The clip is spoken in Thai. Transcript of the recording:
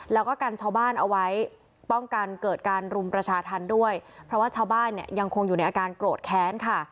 แล้วก็กันชาวบ้านเอาไว้ป้องกันเกิดการรุมประชาธรรมด้วยเพราะว่าชาวบ้านเนี่ยยังคงอยู่ในอาการโกรธแค้นค่ะ